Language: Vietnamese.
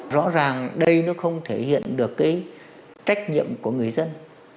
rõ ràng đây nó không thể hiện được cái trách nhiệm của người dân